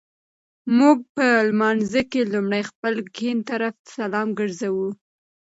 مونږ په لمانځه کي لومړی خپل ګېڼ طرفته سلام ګرځوو